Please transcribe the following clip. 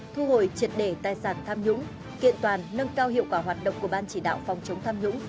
thu hồi triệt để tài sản tham nhũng kiện toàn nâng cao hiệu quả hoạt động của ban chỉ đạo phòng chống tham nhũng